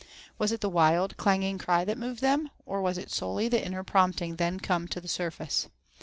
Was it the wild, clanging cry that moved them, or was it solely the inner prompting then come to the surface?